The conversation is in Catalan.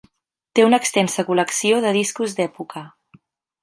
Té una extensa col·lecció de discos d'època.